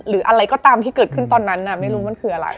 หรืออะไรก็ตามที่เกิดขึ้นตอนนั้นไม่รู้มันคืออะไร